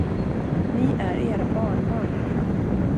Vi är era barnbarn.